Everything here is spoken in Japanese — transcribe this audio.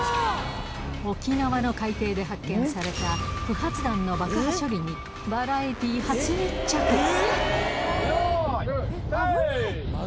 沖縄の海底で発見された、不発弾の爆破処理に、よーい、テイ。